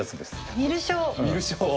観る将。